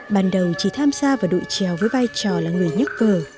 ban đầu chỉ tham gia vào đội trèo với vai trò là người nhất vợ